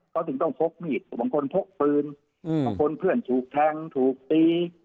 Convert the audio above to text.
เขาถึงต้องพกมีดบางคนพกปืนบางคนเพื่อนถูกแทงถูกตี